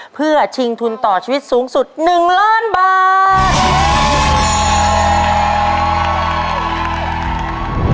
เพื่อชิงทุนต่อชีวิตสูงสุด๑ล้านบาท